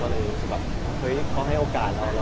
เราให้โอกาสแล้ว